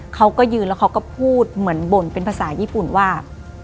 เขาก็ยืนแล้วเขาก็พูดเหมือนบ่นเป็นภาษาญี่ปุ่นว่า